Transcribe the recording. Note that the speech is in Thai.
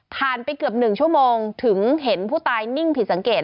ไปเกือบ๑ชั่วโมงถึงเห็นผู้ตายนิ่งผิดสังเกต